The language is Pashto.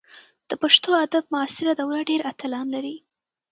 د پښتو ادب معاصره دوره ډېر اتلان لري.